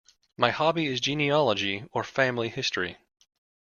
My hobby is genealogy, or family history.